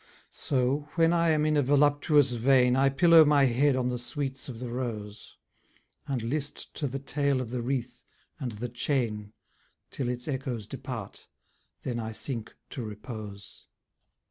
So, when I am in a voluptuous vein, I pillow my head on the sweets of the rose, And list to the tale of the wreath, and the chain, Till its echoes depart; then I sink to repose.